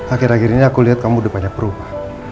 akhir akhir ini aku lihat kamu udah banyak rumah